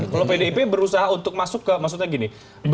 kalau pdip berusaha untuk masuk ke maksudnya gini